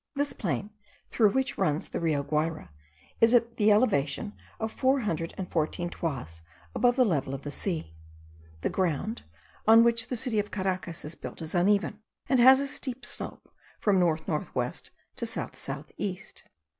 This plain, through which runs the Rio Guayra, is at the elevation of four hundred and fourteen toises above the level of the sea. The ground on which the city of Caracas is built is uneven, and has a steep slope from north north west to south south east.